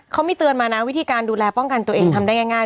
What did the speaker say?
เขามีเตือนมานะวิธีการดูแลป้องกันตัวเองทำได้ง่าย